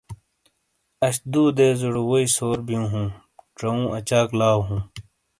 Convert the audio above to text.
اَش دُو دیزوڑے ووئی سور بِیوں ہُوں۔ چاؤوں اچاک لاؤ ہُوں۔